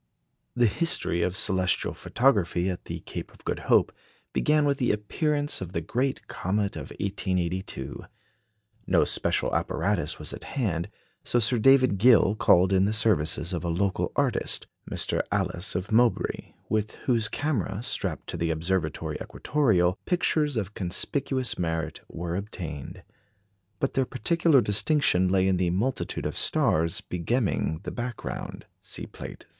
The history of celestial photography at the Cape of Good Hope began with the appearance of the great comet of 1882. No special apparatus was at hand; so Sir David Gill called in the services of a local artist, Mr. Allis of Mowbray, with whose camera, strapped to the Observatory equatoreal, pictures of conspicuous merit were obtained. But their particular distinction lay in the multitude of stars begemming the background. (See Plate III.)